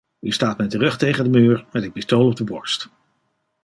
U staat met de rug tegen de muur, met het pistool op de borst.